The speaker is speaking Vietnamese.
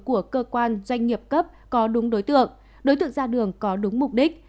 của cơ quan doanh nghiệp cấp có đúng đối tượng đối tượng ra đường có đúng mục đích